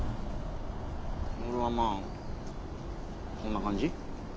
俺はまあこんな感じ。